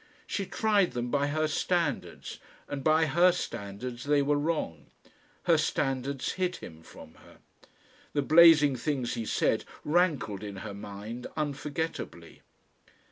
She tried them by her standards, and by her standards they were wrong. Her standards hid him from her. The blazing things he said rankled in her mind unforgettably.